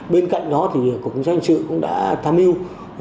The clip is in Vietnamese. bên cạnh đó thì cục chính sách hình sự cũng đã tham mưu